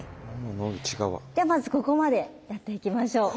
ではまずここまでやっていきましょう。